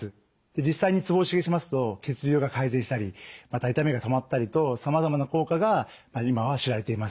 実際にツボを刺激しますと血流が改善したりまた痛みが止まったりとさまざまな効果が今は知られています。